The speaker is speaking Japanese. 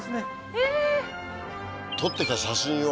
ええ。撮ってた写真を。